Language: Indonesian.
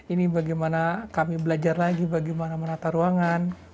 ini bagaimana kami belajar lagi bagaimana menata ruangan